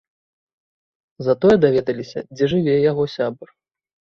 Затое даведаліся, дзе жыве яго сябар.